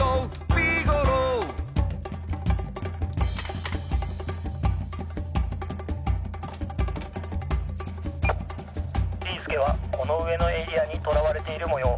「ビーすけはこのうえのエリアにとらわれているもよう。